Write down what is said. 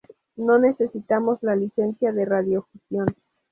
No necesitamos una licencia de radiodifusión.